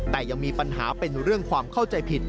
แต่ยังมีปัญหาเป็นเรื่องความเข้าใจผิด